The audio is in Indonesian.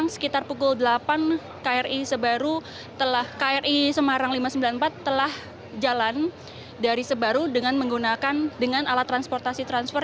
sekitar pukul delapan kri semarang lima ratus sembilan puluh empat telah jalan dari sebaru dengan menggunakan dengan alat transportasi transfer